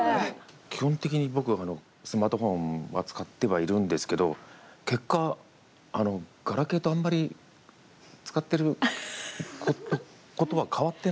基本的に僕はスマートフォンは使ってはいるんですけど結果ガラケーとあんまり使っていることは変わってないのかな。